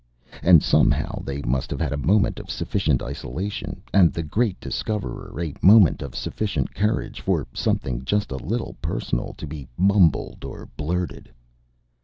And somehow they must have had a moment of sufficient isolation, and the great Discoverer a moment of sufficient courage for something just a little personal to be mumbled or blurted.